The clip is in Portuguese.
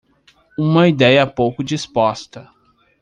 Uma ideia pouco disposta